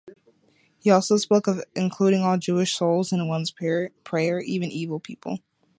He also spoke of including all Jewish souls in one's prayer, even evil people.